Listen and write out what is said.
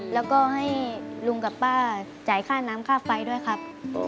แล้วก็ให้ลุงกับป้าจ่ายค่าน้ำค่าไฟด้วยครับ